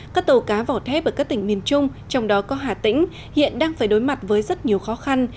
các tàu cá vỏ thép ở các tỉnh miền trung trong đó có hà tĩnh hiện đang phải đối mặt với rất nhiều khó khăn